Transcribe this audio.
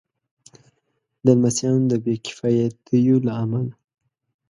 د لمسیانو د بې کفایتیو له امله.